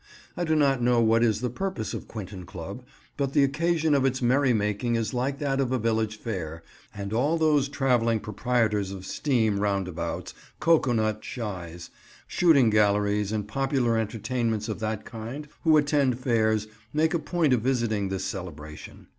I do not know what is the purpose of Quinton Club, but the occasion of its merry making is like that of a village fair, and all those travelling proprietors of steam roundabouts, cocoa nut shies, shooting galleries and popular entertainments of that kind who attend fairs make a point of visiting this celebration.